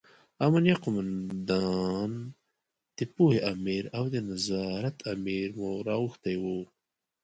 امینه قوماندان، د پوهنې امر او د نظارت امر مو راغوښتي وو.